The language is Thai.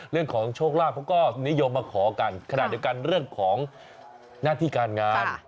เรื่องของโชคลาภเขาก็นิยมมาขอกันขณะเดียวกันเรื่องของหน้าที่การงาน